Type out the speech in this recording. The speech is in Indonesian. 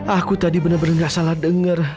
aku tadi benar benar gak salah dengar